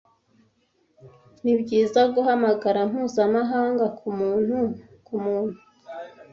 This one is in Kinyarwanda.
Nibyiza guhamagara mpuzamahanga kumuntu kumuntu.